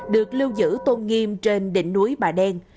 được lưu giữ tôn nghiêm trên đỉnh núi bà đen